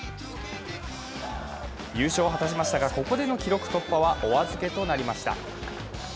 優勝を果たしましたが、ここでの記録突破はお預けとなりました。